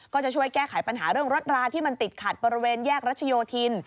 ก็จะช่วยแก้ไขปัญหาเรื่องรถราที่มันติดขัดบริเวณแยกรัชโยธิน